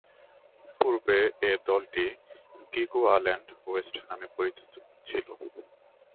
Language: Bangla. পূর্বে এ দলটি গ্রিকুয়াল্যান্ড ওয়েস্ট নামে পরিচিত ছিল।